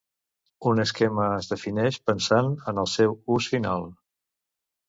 Un esquema es defineix pensant en el seu ús final.